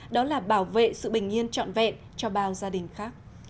đó là bảo vệ sự bình yên trọn vẹn cho bao gia đình khác